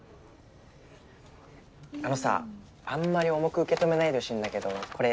あのさあんまり重く受け止めないでほしいんだけどこれ。